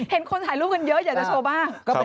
คนถ่ายรูปกันเยอะอยากจะโชว์บ้าง